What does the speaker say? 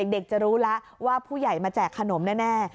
เด็กจะรู้แล้วว่าผู้ใหญ่มาแจกขนมแน่